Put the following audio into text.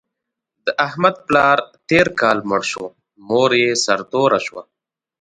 د احمد پلار تېر کال مړ شو، مور یې سرتوره شوه.